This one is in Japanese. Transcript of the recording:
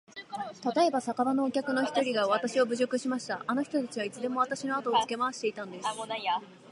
たとえば、酒場のお客の一人がわたしを侮辱しました。あの人たちはいつでもわたしのあとをつけ廻していたんです。